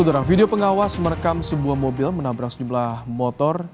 dalam video pengawas merekam sebuah mobil menabrak sejumlah motor